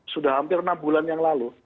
sudah hampir enam bulan yang lalu